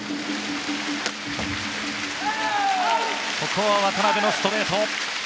ここは渡辺のストレート！